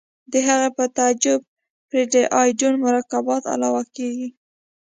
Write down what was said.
د هغې په تعقیب پرې د ایوډین مرکبات علاوه کیږي.